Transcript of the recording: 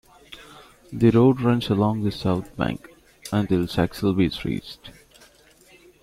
The road runs along the south bank, until Saxilby is reached.